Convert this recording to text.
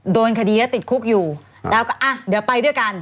โดนคดีแล้วติดคุกอยู่แล้วก็อ่ะเดี๋ยวไปด้วยกัน